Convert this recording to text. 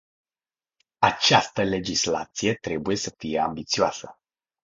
Această legislație trebuie să fie ambițioasă.